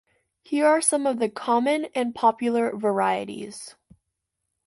Here are some of the common and popular varieties.